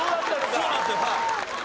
そうなんですよ。